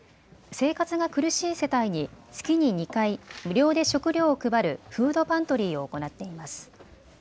生活が苦しい世帯に月に２回、無料で食料を配るフードパントリーを行っています。